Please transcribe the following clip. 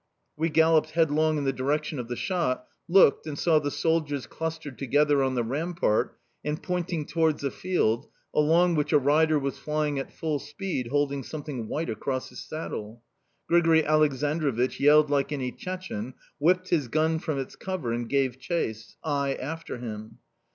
We galloped headlong in the direction of the shot, looked, and saw the soldiers clustered together on the rampart and pointing towards a field, along which a rider was flying at full speed, holding something white across his saddle. Grigori Aleksandrovich yelled like any Chechene, whipped his gun from its cover, and gave chase I after him.